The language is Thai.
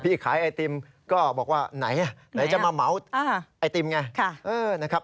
พี่ขายไอติมก็บอกว่าไหนจะมาเหมาะไอติมไง